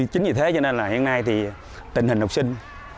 chính vì thế cho nên hiện nay tình hình học sinh